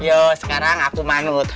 yo sekarang aku manut